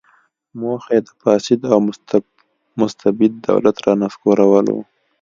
موخه یې د فاسد او مستبد دولت رانسکورول و.